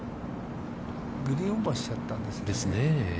グリーンオーバーしちゃったんですね。